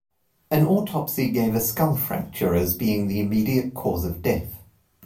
An autopsy gave a skull fracture as being the immediate cause of death.